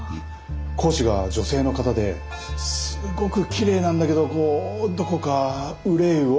講師が女性の方ですごくきれいなんだけどこうどこか愁いを帯びてるっていうか。